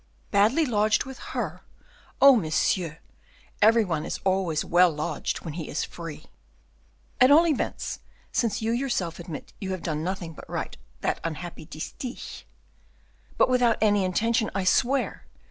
Badly lodged with her! Oh, monsieur, every one is always well lodged when he is free." "At all events, since you yourself admit you have done nothing but write that unhappy distich " "But without any intention, I swear.